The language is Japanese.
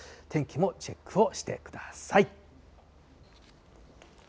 天気もチェックをしてください。